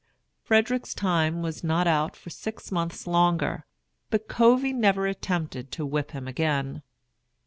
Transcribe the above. Frederick's time was not out for six months longer, but Covey never attempted to whip him again.